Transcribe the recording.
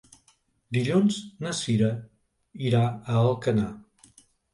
Dilluns na Sira irà a Alcanar.